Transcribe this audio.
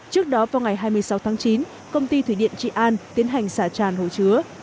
trước đó vào ngày hai mươi sáu tháng chín công ty thủy điện trị an tiến hành xả tràn hồ chứa